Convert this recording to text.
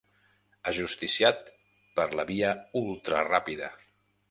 Ajusticiat per la via ultraràpida.